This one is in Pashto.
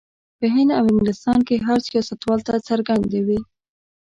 په هند او انګلستان کې هر سیاستوال ته څرګندې وې.